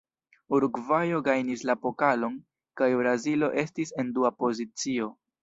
Urugvajo gajnis la pokalon, kaj Brazilo estis en dua pozicio.